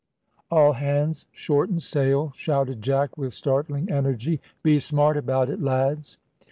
"All hands, shorten sail," shouted Jack, with startling energy; "be smart about it, lads."